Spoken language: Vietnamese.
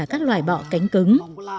các loài bọ cánh cứng